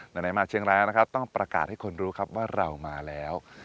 ไหนมาเชียงรายนะครับต้องประกาศให้คนรู้ครับว่าเรามาแล้ว